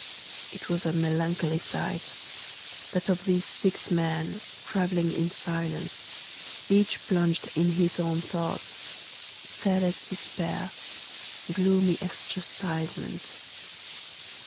It was a melancholy sight—that of these six men, traveling in silence, each plunged in his own thoughts, sad as despair, gloomy as chastisement.